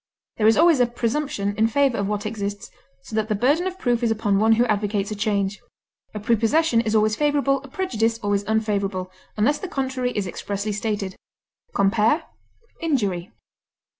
There is always a presumption in favor of what exists, so that the burden of proof is upon one who advocates a change. A prepossession is always favorable, a prejudice always unfavorable, unless the contrary is expressly stated. Compare INJURY.